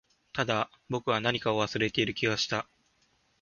ただ、僕は何かを忘れている気がした